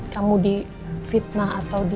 kamu di fitnah atau di